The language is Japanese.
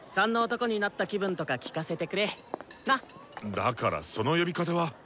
だからその呼び方は。